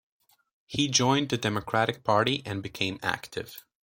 He joined the Democratic Party and became active.